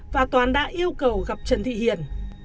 và toán đã yêu cầu gặp trần thị hiền